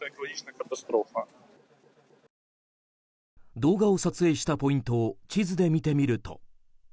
動画を撮影したポイントを地図で見てみると。